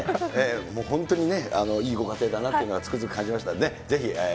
本当にいいご家庭だなというのは、つくづく感じましたね。